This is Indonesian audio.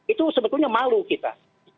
itu sebetulnya malu kita